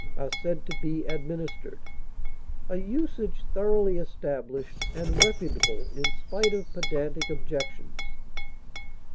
are said to be administered: a usage thoroughly established and reputable in spite of pedantic objections.